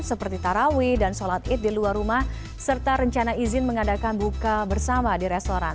seperti tarawih dan sholat id di luar rumah serta rencana izin mengadakan buka bersama di restoran